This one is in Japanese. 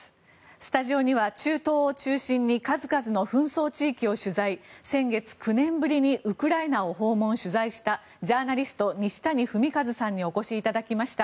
スタジオには中東を中心に数々の紛争地域を取材先月、９年ぶりにウクライナを訪問・取材したジャーナリスト西谷文和さんにお越しいただきました。